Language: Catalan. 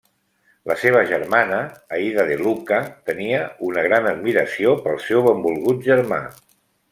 La seva Germana, Aida De Lucca tènia una gran admiració pel seu benvolgut germà.